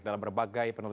dalam berbagai penulisan